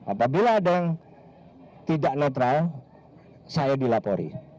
apabila ada yang tidak netral saya dilapori